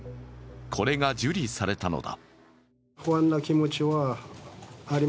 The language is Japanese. これが受理されたのだ。